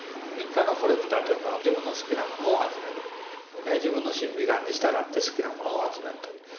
民間のコレクターというのは自分の好きなものを集める自分の審美眼に従って好きなものを集めると。